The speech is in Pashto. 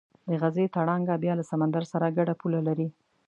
د غزې تړانګه بیا له سمندر سره ګډه پوله لري.